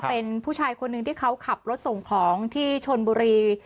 เป็นผู้ชายคนหนึ่งที่เขาขับรถส่งของที่ชนบุรี